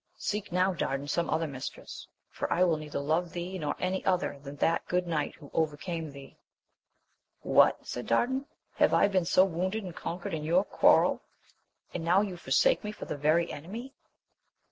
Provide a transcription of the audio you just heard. Seek now, Dardan, some other mistress, for I will neither love thee nor any other than that good knight who over came thee ! What ! said Dardan, have I been so wounded and conqueie^Lm^oivxx c^^Yt^\^\A\i<^^ ^aa AMADIS OF GAUL. 91 forsake me for the very enemy